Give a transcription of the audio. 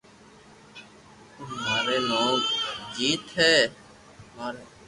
مارو نوم اجيت ڪمار ھي